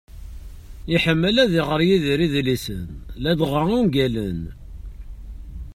Iḥemmel ad iɣer Yidir idlisen, ladɣa ungalen.